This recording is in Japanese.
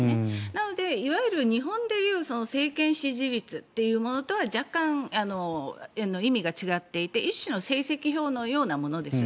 なので、いわゆる日本でいう政権支持率というものとは若干意味が違っていて一種の成績表のようなものです。